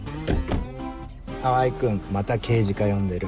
川合君また刑事課呼んでる。